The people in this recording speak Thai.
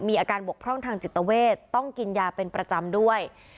มีอาการบกพร่องทางจิตเวทต้องกินยาเป็นประจำด้วย